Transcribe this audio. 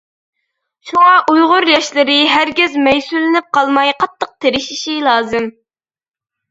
شۇڭا ئۇيغۇر ياشلىرى ھەرگىز مەيۈسلىنىپ قالماي قاتتىق تىرىشىشى لازىم.